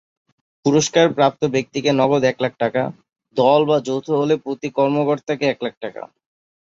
পুরস্কারপ্রাপ্ত ব্যক্তিকে নগদ এক লাখ টাকা, দল বা যৌথ হলে প্রতি কর্মকর্তাকে এক লাখ টাকা।